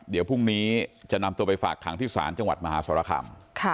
เดี๋ยวพรุ่งนี้จะนำตัวไปฝากขังที่ศาลจังหวัดมหาสรคาม